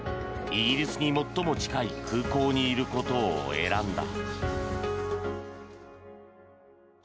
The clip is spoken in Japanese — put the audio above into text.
イギリスに最も近い空港にいることを選んだ。